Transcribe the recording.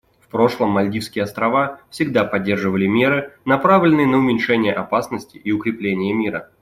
В прошлом Мальдивские Острова всегда поддерживали меры, направленные на уменьшение опасности и укрепление мира.